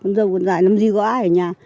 con dâu còn dài làm gì có ai ở nhà